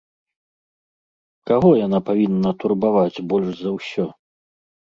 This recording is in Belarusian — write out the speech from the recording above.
Каго яно павінна турбаваць больш за ўсё?